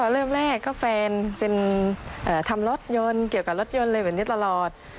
เริ่มแรกก็แฟนเป็นทำรถยนต์เกี่ยวกับรถยนต์อะไรแบบนี้ตลอด